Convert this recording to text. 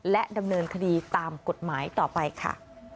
และดำเนินคดีตามกฎหมายต่อไปค่ะ